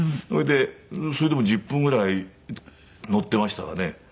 それでそれでも１０分ぐらい乗ってましたかね。